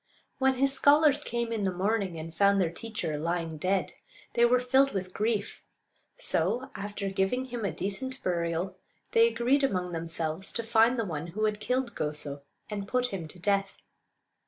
When his scholars came in the morning and found their teacher lying dead, they were filled with grief; so, after giving him a decent burial, they agreed among themselves to find the one who had killed Goso, and put him to death.